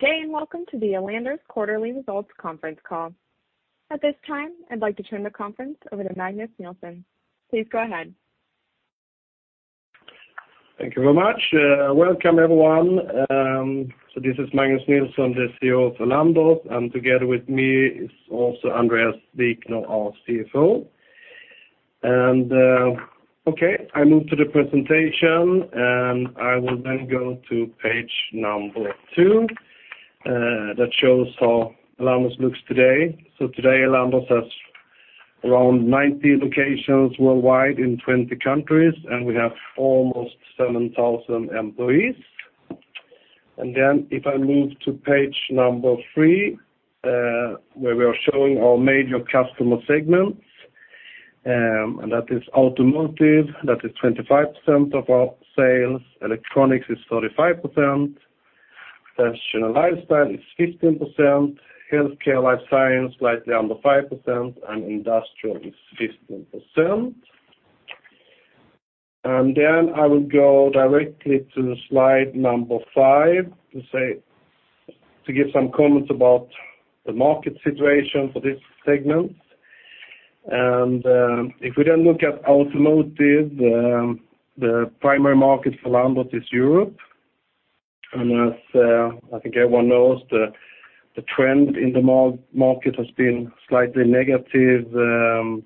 Good day, and welcome to the Elanders quarterly results conference call. At this time, I'd like to turn the conference over to Magnus Nilsson. Please go ahead. Thank you very much. Welcome, everyone, so this is Magnus Nilsson, the CEO of Elanders, and together with me is also Andréas Wikner, our CFO. I move to the presentation, and I will then go to page two, that shows how Elanders looks today. So today, Elanders has around 90 locations worldwide in 20 countries, and we have almost 7,000 employees. Then if I move to page three, where we are showing our major customer segments, and that is automotive, that is 25% of our sales, electronics is 35%, fashion and lifestyle is 15%, healthcare, life science, slightly under 5%, and industrial is 15%. Then I will go directly to slide 5 to give some comments about the market situation for these segments. If we then look at automotive, the primary market for Elanders is Europe. As I think everyone knows, the trend in the market has been slightly negative in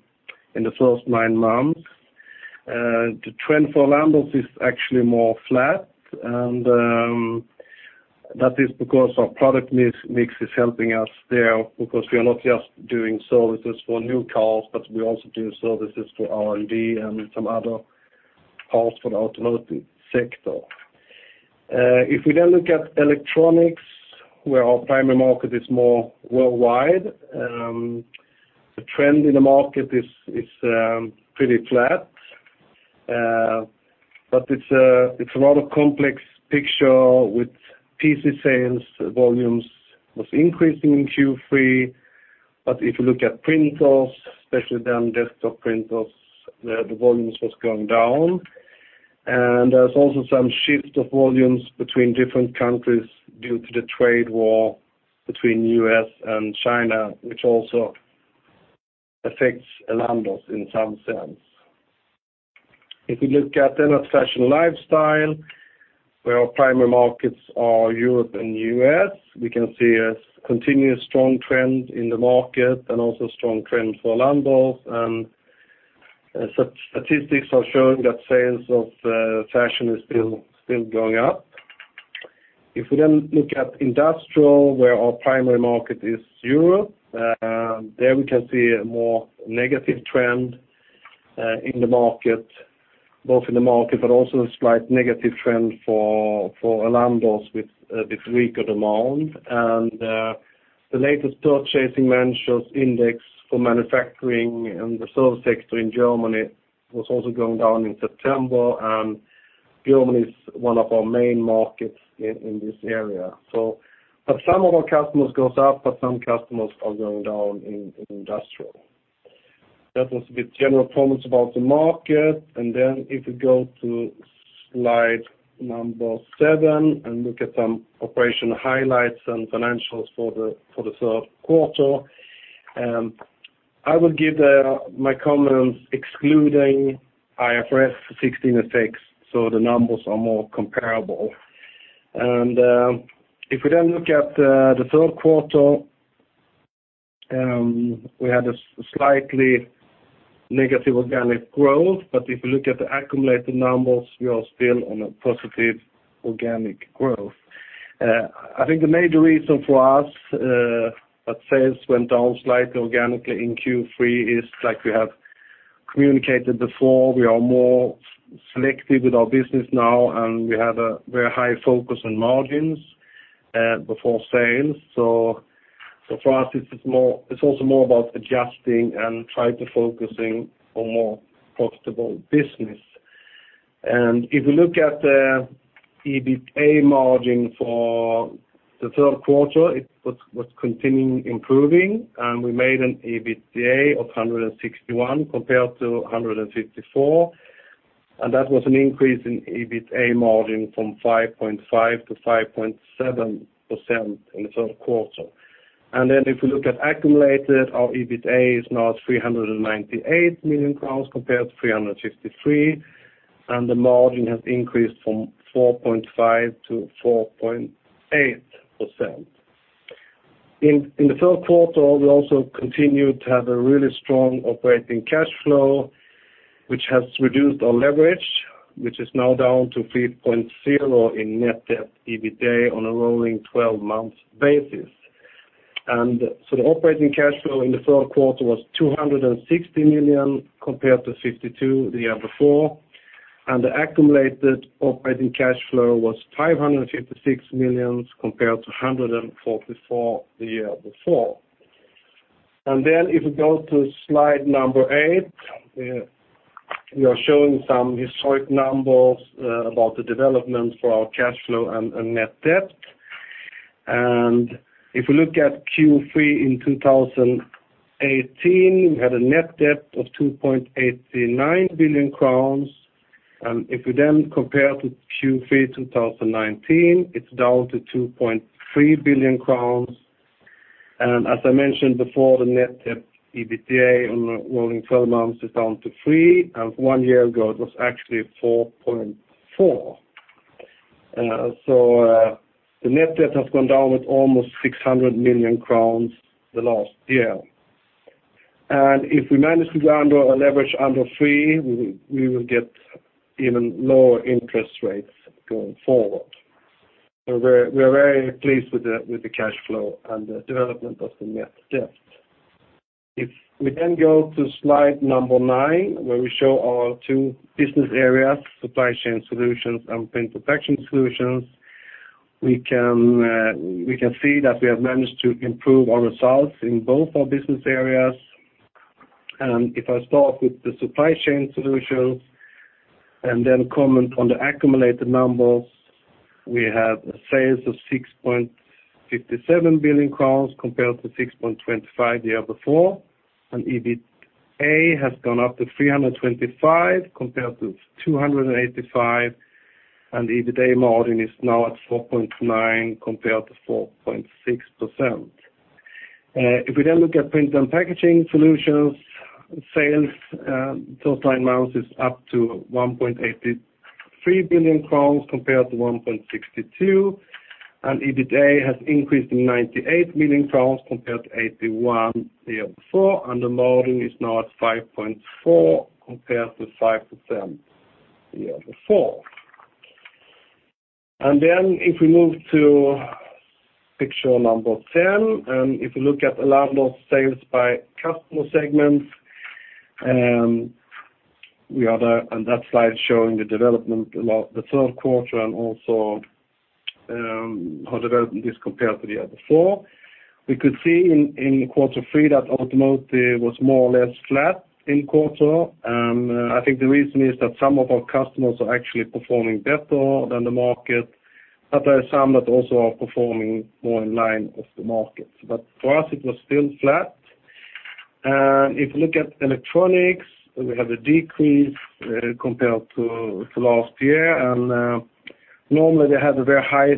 the first nine months. The trend for Elanders is actually more flat, and that is because our product mix is helping us there, because we are not just doing services for new cars, but we also do services for R&D and some other cars for the automotive sector. If we then look at electronics, where our primary market is more worldwide, the trend in the market is pretty flat. But it's a lot of complex picture with PC sales; volumes was increasing in Q3. But if you look at printers, especially desktop printers, the volumes was going down. There's also some shift of volumes between different countries due to the trade war between US and China, which also affects Elanders in some sense. If you look at then at fashion and lifestyle, where our primary markets are Europe and US, we can see a continuous strong trend in the market and also strong trend for Elanders. And statistics are showing that sales of fashion is still, still going up. If we then look at industrial, where our primary market is Europe, there we can see a more negative trend in the market, both in the market, but also a slight negative trend for Elanders with weaker demand. The latest Purchasing Managers' Index for manufacturing and the service sector in Germany was also going down in September, and Germany is one of our main markets in this area. But some of our customers goes up, but some customers are going down in industrial. That was the general comments about the market. Then if we go to slide number seven and look at some operational highlights and financials for the third quarter, I will give my comments excluding IFRS 16 effects, so the numbers are more comparable. If we then look at the third quarter, we had a slightly negative organic growth. But if you look at the accumulated numbers, we are still on a positive organic growth. I think the major reason for us that sales went down slightly organically in Q3 is like we have communicated before, we are more selective with our business now, and we have a very high focus on margins before sales. So, for us, it's more, it's also more about adjusting and try to focusing on more profitable business. And if you look at the EBITDA margin for the third quarter, it was continuing improving, and we made an EBITDA of 161 compared to 154, and that was an increase in EBITDA margin from 5.5% to 5.7% in the third quarter. And then if you look at accumulated, our EBITDA is now 398 million crowns compared to 363 million, and the margin has increased from 4.5% to 4.8%. In the third quarter, we also continued to have a really strong operating cash flow, which has reduced our leverage, which is now down to 3.0 in net debt EBITDA on a rolling twelve-month basis. So the operating cash flow in the third quarter was 260 million, compared to 52 the year before, and the accumulated operating cash flow was 556 million, compared to 144 the year before. Then if we go to slide 8, we are showing some historic numbers about the development for our cash flow and net debt. And if we look at Q3 in 2018, we had a net debt of 2.89 billion crowns. If we then compare to Q3 2019, it's down to 2.3 billion crowns. And as I mentioned before, the net debt EBITDA on the rolling twelve months is down to three, and one year ago, it was actually 4.4. So, the net debt has gone down with almost 600 million crowns the last year. And if we manage to go under a leverage under three, we will get even lower interest rates going forward. So we're very pleased with the cash flow and the development of the net debt. If we then go to slide nine, where we show our two business areas, Supply Chain Solutions and Print & Packaging Solutions, we can see that we have managed to improve our results in both our business areas. And if I start with the Supply Chain Solutions, and then comment on the accumulated numbers, we have sales of 6.57 billion crowns compared to 6.25 billion the year before. EBITDA has gone up to 325, compared to 285, and the EBITDA margin is now at 4.9%, compared to 4.6%. If we then look at Print & Packaging Solutions sales, those nine months is up to 1.83 billion crowns compared to 1.62 billion, and EBITDA has increased to 98 million crowns compared to 81 million the year before, and the margin is now at 5.4% compared to 5% the year before. Then, if we move to picture number 10, and if you look at the level of sales by customer segments, we are there, on that slide, showing the development about the third quarter and also, how development is compared to the year before. We could see in quarter three that automotive was more or less flat in quarter. I think the reason is that some of our customers are actually performing better than the market, but there are some that also are performing more in line with the market. But for us, it was still flat. And if you look at electronics, we have a decrease compared to last year, and normally they have a very high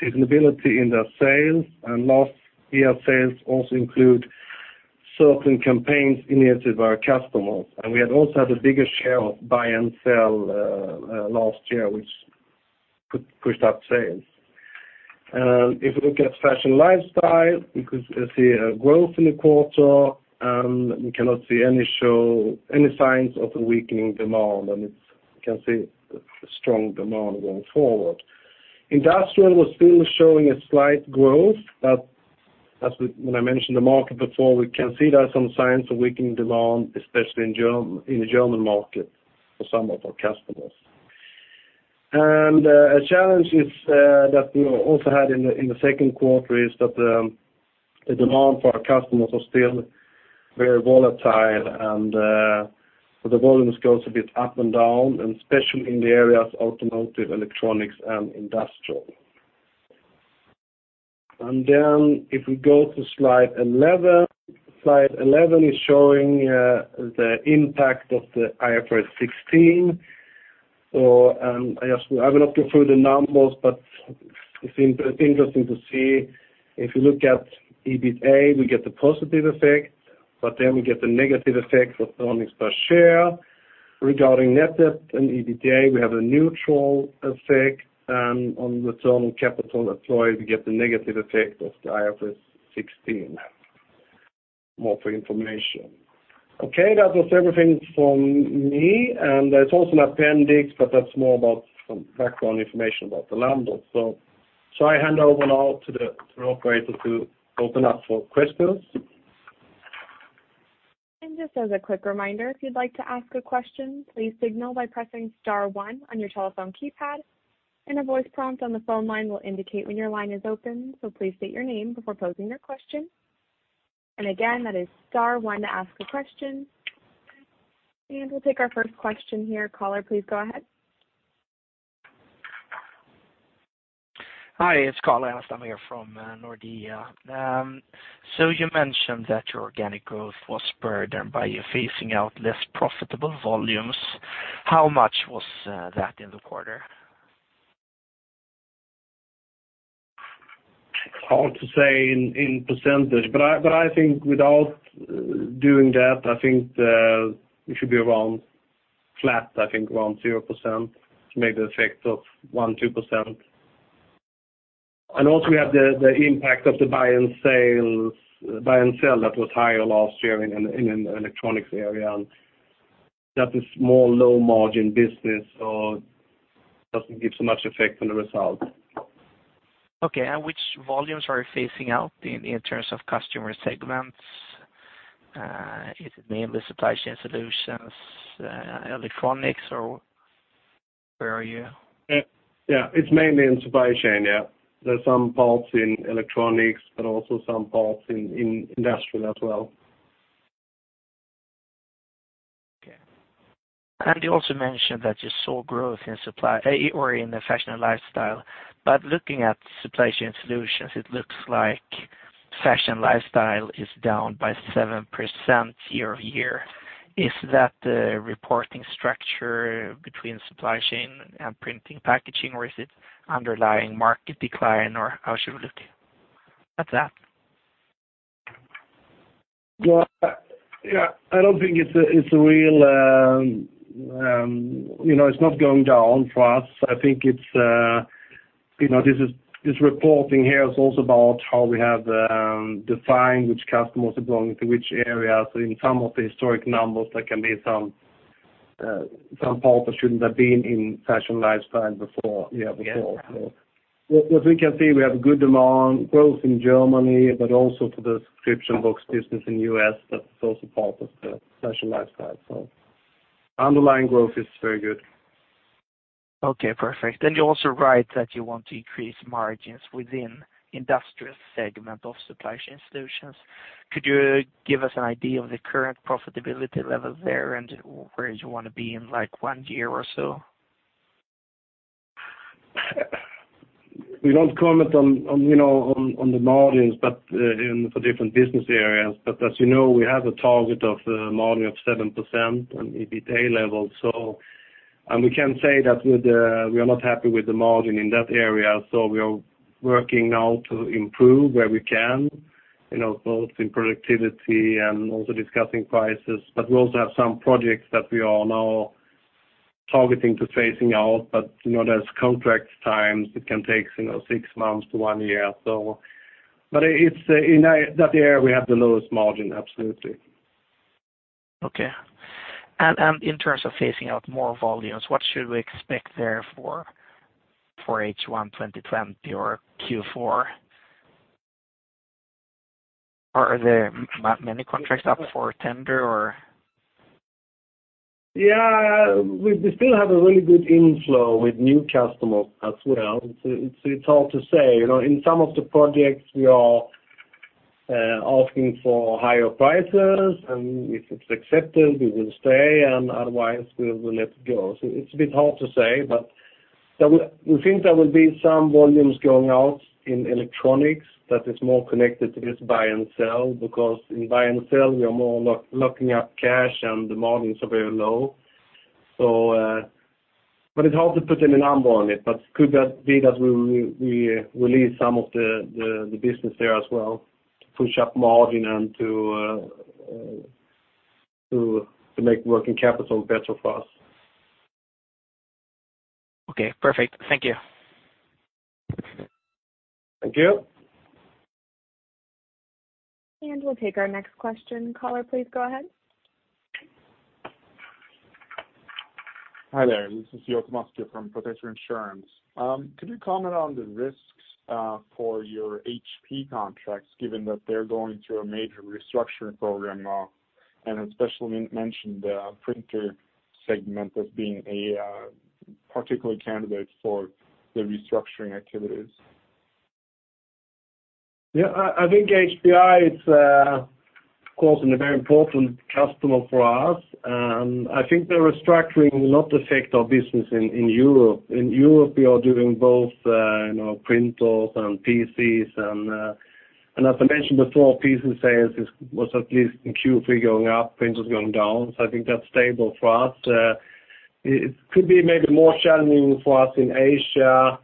seasonality in their sales, and last year sales also include certain campaigns initiated by our customers. And we had also had a bigger share of buy and sell last year, which pushed up sales. If we look at fashion lifestyle, we could see a growth in the quarter, and we cannot see any signs of a weakening demand, and we can see a strong demand going forward. Industrial was still showing a slight growth, but when I mentioned the market before, we can see there are some signs of weakening demand, especially in the German market for some of our customers. A challenge is that we also had in the second quarter is that the demand for our customers are still very volatile, so the volumes goes a bit up and down, and especially in the areas of automotive, electronics, and industrial. Then, if we go to slide 11, slide 11 is showing the impact of the IFRS 16. So, I guess I will not go through the numbers, but it's interesting to see. If you look at EBITDA, we get the positive effect, but then we get the negative effect of earnings per share. Regarding net debt and EBITDA, we have a neutral effect, and on the total capital employed, we get the negative effect of the IFRS 16. More for information. Okay, that was everything from me, and there's also an appendix, but that's more about some background information about Elanders. So, I hand over now to the operator to open up for questions. Just as a quick reminder, if you'd like to ask a question, please signal by pressing star one on your telephone keypad, and a voice prompt on the phone line will indicate when your line is open, so please state your name before posing your question. Again, that is star one to ask a question. We'll take our first question here. Caller, please go ahead. Hi, it's Anastasios Chatzifotiou from Nordea. You mentioned that your organic growth was spurred by you phasing out less profitable volumes. How much was that in the quarter? It's hard to say in percentage, but I think without doing that, I think it should be around flat, I think around 0%, maybe the effect of 1-2%. And also, we have the impact of the buy and sales, buy and sell that was higher last year in electronics area, and that is more low-margin business, so doesn't give so much effect on the result. Okay, and which volumes are you phasing out in terms of customer segments? Is it mainly Supply Chain Solutions, electronics, or where are you? Yeah, it's mainly in supply chain, yeah. There's some parts in electronics, but also some parts in industrial as well. Okay. You also mentioned that you saw growth in supply or in the fashion and lifestyle, but looking at Supply Chain Solutions, it looks like fashion lifestyle is down by 7% year-over-year. Is that the reporting structure between supply chain and Print & Packaging, or is it underlying market decline, or how should we look at that? Well, yeah, I don't think it's a real, you know, it's not going down for us. I think it's, you know, this is this reporting here is also about how we have defined which customers are going to which areas. So in some of the historic numbers, there can be some part that shouldn't have been in fashion lifestyle before, yeah, before. Yes. So we can see, we have good demand growth in Germany, but also to the subscription box business in US, that's also part of the fashion lifestyle. So underlying growth is very good. Okay, perfect. Then you also write that you want to increase margins within industrial segment of Supply Chain Solutions. Could you give us an idea of the current profitability level there, and where do you want to be in, like, one year or so? We don't comment on, you know, the margins, but for different business areas. But as you know, we have a target of margin of 7% on EBITDA level, so and we can say that we are not happy with the margin in that area, so we are working now to improve where we can, you know, both in productivity and also discussing prices. But we also have some projects that we are now targeting to phasing out. But, you know, there's contract terms, it can take, you know, 6 months to 1 year. So, but it's in that area, we have the lowest margin, absolutely. Okay. In terms of phasing out more volumes, what should we expect there for H1 2020 or Q4? Are there many contracts up for tender, or? Yeah, we still have a really good inflow with new customers as well. It's hard to say. You know, in some of the projects, we are asking for higher prices, and if it's accepted, we will stay, and otherwise, we will let go. So it's a bit hard to say, but we think there will be some volumes going out in electronics that is more connected to this buy and sell, because in buy and sell, we are more locking up cash, and the margins are very low. So, but it's hard to put any number on it, but could that be that we release some of the business there as well to push up margin and to make working capital better for us. Okay, perfect. Thank you. Thank you. We'll take our next question. Caller, please go ahead. Hi there, this is Jørgen Mørkved from Protector Insurance. Could you comment on the risks for your HP contracts, given that they're going through a major restructuring program now, and especially mention the printer segment as being a particular candidate for the restructuring activities? Yeah, I think HPI is, of course, a very important customer for us, and I think the restructuring will not affect our business in Europe. In Europe, we are doing both, you know, printers and PCs, and as I mentioned before, PC sales is, was at least in Q3, going up, printers going down. So I think that's stable for us. It could be maybe more challenging for us in Asia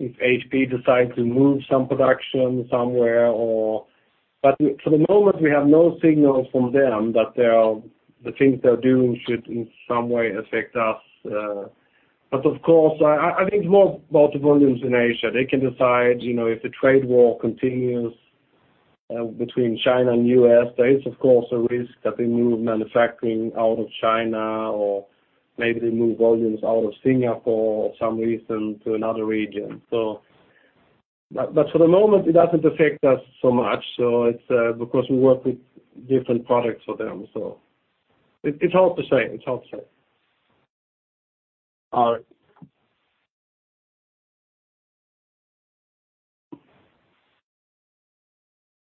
if HP decides to move some production somewhere or... But for the moment, we have no signals from them that the things they're doing should in some way affect us. But of course, I think it's more about the volumes in Asia. They can decide, you know, if the trade war continues, between China and U.S., there is, of course, a risk that they move manufacturing out of China or maybe they move volumes out of Singapore for some reason to another region. So, but, but for the moment, it doesn't affect us so much, so it's, because we work with different products for them. So it, it's hard to say. It's hard to say. All right.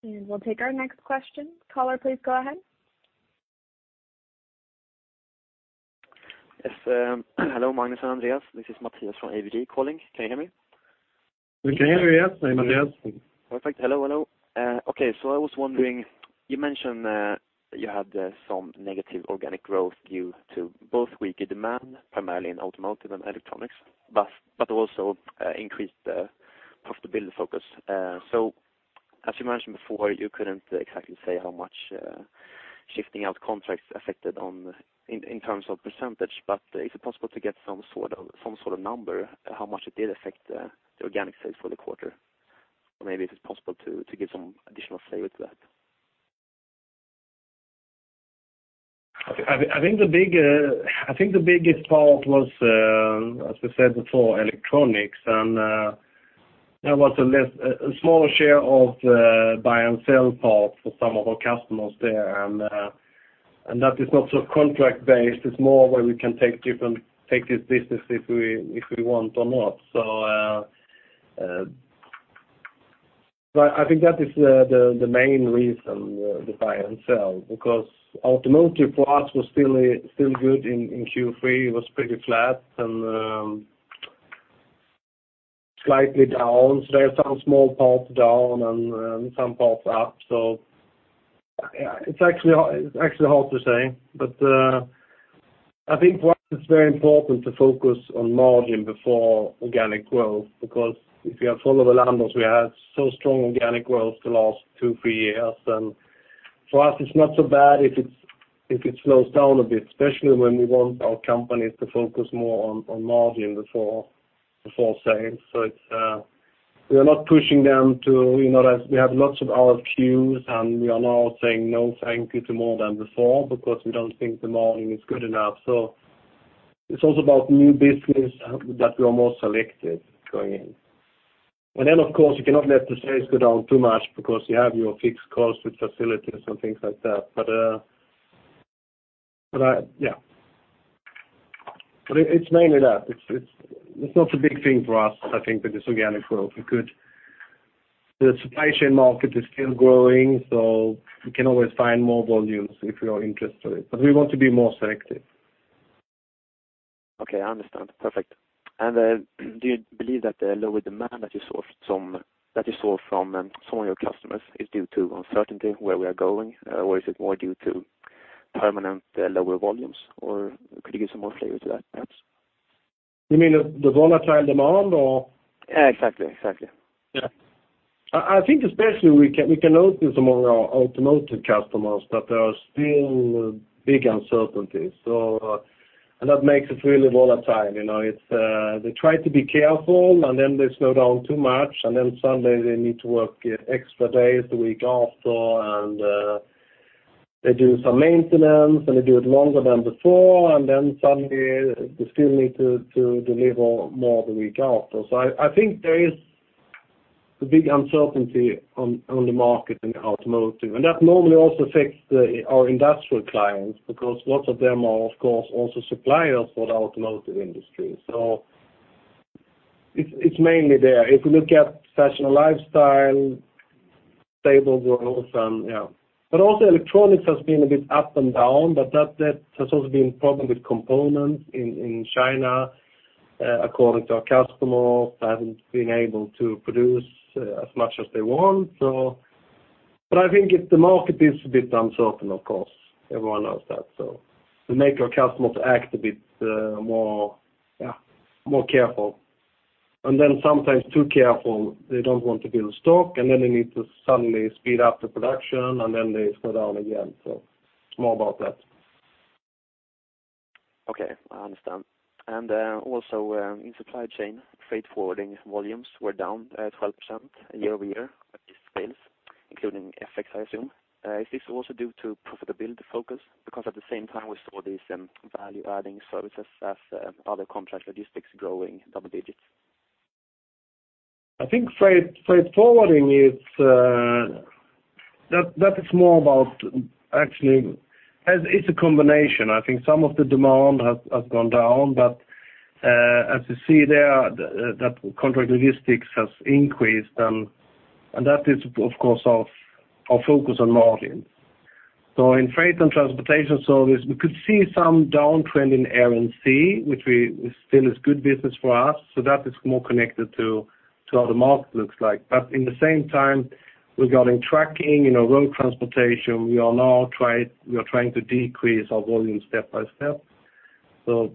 We'll take our next question. Caller, please go ahead. Yes, hello, Magnus and Andréas. This is Mattias from DNB Markets calling. Can you hear me? We can hear you, yes. Perfect. Hello, hello. Okay, so I was wondering, you mentioned you had some negative organic growth due to both weaker demand, primarily in automotive and electronics, but also increased profitability focus. So as you mentioned before, you couldn't exactly say how much shifting out contracts affected, in terms of percentage, but is it possible to get some sort of number, how much it did affect the organic sales for the quarter? Or maybe if it's possible to give some additional flavor to that. I think the biggest part was, as I said before, electronics, and there was a smaller share of the buy and sell part for some of our customers there. And that is not so contract-based, it's more where we can take this business if we want or not. So, but I think that is the main reason, the buy and sell, because automotive for us was still good in Q3, it was pretty flat, and slightly down, so there are some small parts down and some parts up. So, yeah, it's actually, it's actually hard to say, but I think what is very important to focus on margin before organic growth, because if you have followed Elanders, we had so strong organic growth the last two to three years. And for us, it's not so bad if it's- if it slows down a bit, especially when we want our companies to focus more on, on margin before, before sales. So it's, we are not pushing them to, you know, as we have lots of RFQs, and we are now saying, no, thank you, to more than before, because we don't think the margin is good enough. So it's also about new business that we are more selective going in. And then, of course, you cannot let the sales go down too much because you have your fixed costs with facilities and things like that. But yeah. But it's mainly that. It's not a big thing for us, I think, with this organic growth. The supply chain market is still growing, so we can always find more volumes if we are interested, but we want to be more selective. Okay, I understand. Perfect. And, do you believe that the lower demand that you saw from some of your customers is due to uncertainty where we are going? Or is it more due to permanent lower volumes? Or could you give some more flavor to that, perhaps? You mean the volatile demand or? Yeah, exactly. Exactly. Yeah. I think especially we can notice among our automotive customers that there are still big uncertainties. So, and that makes it really volatile, you know? It's, they try to be careful, and then they slow down too much, and then suddenly they need to work extra days the week after, and, they do some maintenance, and they do it longer than before, and then suddenly they still need to deliver more the week after. So I think there is a big uncertainty on the market in automotive, and that normally also affects our industrial clients, because lots of them are, of course, also suppliers for the automotive industry. So it's mainly there. If you look at fashion and lifestyle, stable growth, yeah. But also electronics has been a bit up and down, but that, that has also been a problem with components in, in China, according to our customers, they haven't been able to produce, as much as they want. So- but I think it's the market is a bit uncertain, of course, everyone knows that, so. To make our customers act a bit, more, yeah, more careful, and then sometimes too careful, they don't want to build stock, and then they need to suddenly speed up the production, and then they slow down again. So it's more about that. Okay, I understand. Also, in supply chain, freight forwarding volumes were down 12% year-over-year at this phase, including FX, I assume. Is this also due to profitability focus? Because at the same time, we saw these value-adding services as other contract logistics growing double digits. I think freight forwarding is. That is more about actually, as it's a combination. I think some of the demand has gone down, but as you see there, that contract logistics has increased, and that is, of course, our focus on margin. So in freight and transportation service, we could see some downtrend in air and sea, which still is good business for us, so that is more connected to how the market looks like. But in the same time, regarding trucking, you know, road transportation, we are trying to decrease our volume step by step. So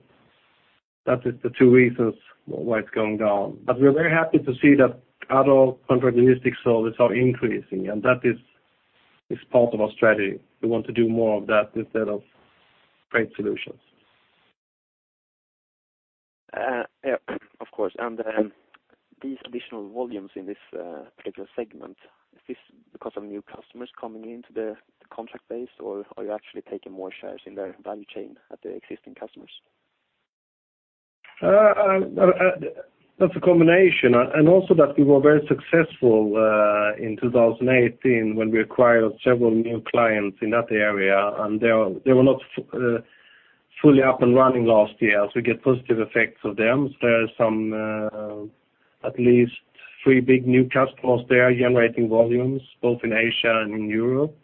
that is the two reasons why it's going down. But we're very happy to see that other contract logistics services are increasing, and that is part of our strategy. We want to do more of that instead of freight solutions. Yeah, of course. And these additional volumes in this particular segment, is this because of new customers coming into the contract base, or are you actually taking more shares in their value chain at the existing customers? That's a combination. And also that we were very successful in 2018 when we acquired several new clients in that area, and they were not fully up and running last year. So we get positive effects of them. There are some at least three big new customers there, generating volumes both in Asia and in Europe.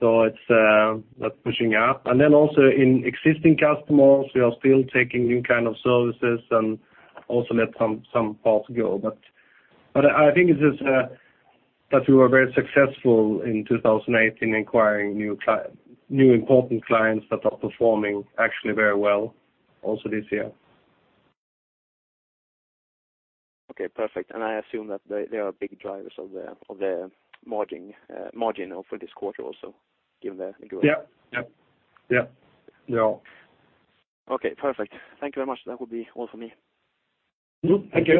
So it's that's pushing up. And then also in existing customers, we are still taking new kind of services and also let some parts go. But I think it's just that we were very successful in 2018, acquiring new important clients that are performing actually very well also this year. Okay, perfect. And I assume that they are big drivers of the margin for this quarter also, given the growth. Yeah. Yep. Yep. Yeah. Okay, perfect. Thank you very much. That would be all for me. Thank you.